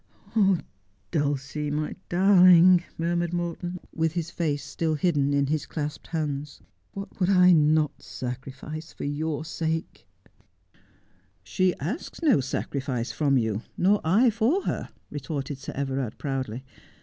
' Dulcie, my darling,' murmured Morton, with his face still hidden in his clasped hands, 'what would I not sacrifice for 1 our sake !' A Fountain of Bitter Waters. 131 'She asks no sacrifice from yon, nor I for her,' retorted Sir Everard proudly.